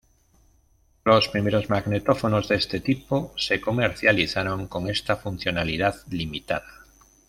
Los primeros magnetófonos de este tipo se comercializaron con esta funcionalidad limitada.